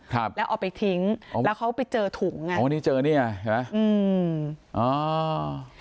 ครับแล้วออกไปทิ้งแล้วเขาไปเจอถุงอ่ะอ๋อนี่เจอเนี่ยใช่ไหมอืม